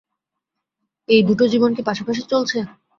এই দুটো জীবন কি পাশাপাশি চলছে?